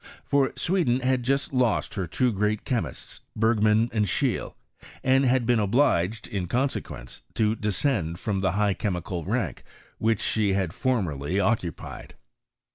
For Sweden had just lost her two great chemists, Bergman and Schceie, and had been obliged, in consequence, to descend from the high chemical rank which she had formerly occupied.